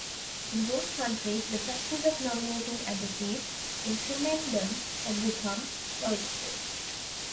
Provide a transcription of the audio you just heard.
In both countries, the practice of nominating abbacies "in commendam" had become widespread.